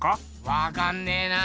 わかんねえな。